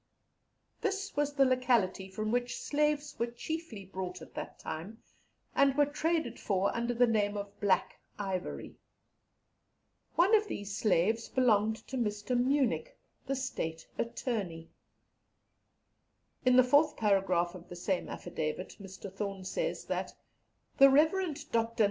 This was the locality from which slaves were chiefly brought at that time, and were traded for under the name of 'Black Ivory.' One of these slaves belonged to Mr. Munich, the State Attorney." In the fourth paragraph of the same affidavit, Mr. Thorne says that "the Rev. Dr.